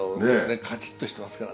カチっとしてますから。